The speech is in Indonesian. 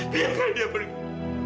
biarkan dia pergi